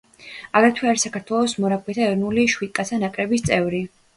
აგრეთვე არის საქართველოს მორაგბეთა ეროვნული შვიდკაცა ნაკრების წევრი.